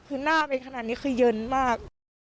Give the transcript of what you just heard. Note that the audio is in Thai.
คือหน้าไปขนาดนี้คือเย็นมาก